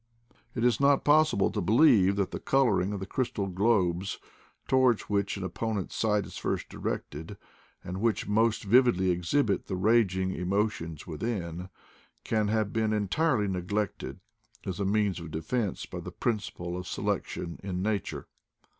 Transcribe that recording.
It is not possible to believe that the color ing of the crystal globes, towards which an op ponent's sight is first directed, and which most vividly exhibit the raging emotions within, can have been entirely neglected as a means of defense by the principle of selection in nature.